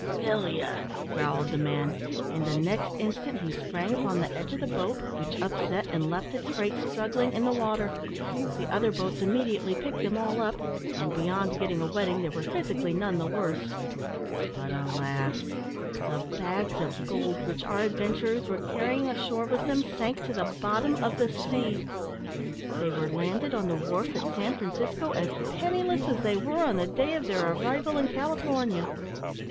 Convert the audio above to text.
"Will ye!" growled the man; and the next instant he sprang upon the edge of the boat, which upset, and left its freight struggling in the water. The other boats immediately picked them all up; and, beyond a wetting, they were physically none the worse. But, alas! the bags of gold which our adventurers were carrying ashore with them, sank to the bottom of the sea! They were landed on the wharf at San Francisco as penniless as they were on the day of their arrival in California.